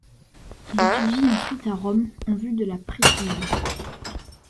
Il étudie ensuite à Rome en vue de la prêtrise.